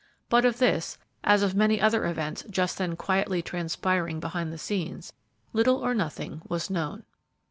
But of this, as of many other events just then quietly transpiring behind the scenes, little or nothing was known.